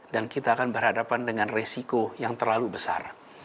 dan kita akan berhadapan dengan resiko yang terlalu besar